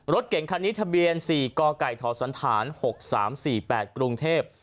รถเก่งคันนี้ทะเบียน๔กกศ๖๓๔๘กรุงเทพฯ